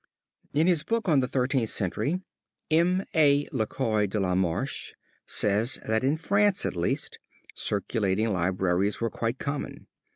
In his book on the Thirteenth Century [Footnote 15 ] M. A. Lecoy de la Marche says that in France, at least, circulating libraries were quite common.